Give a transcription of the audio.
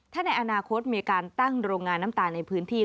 ถ้าในอนาคตมีการตั้งโรงงานน้ำตาลในพื้นที่